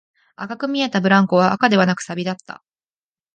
赤く見えたブランコは赤ではなく、錆だった